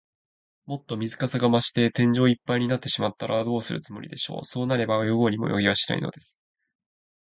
もっと水かさが増して、天井いっぱいになってしまったら、どうするつもりでしょう。そうなれば、泳ごうにも泳げはしないのです。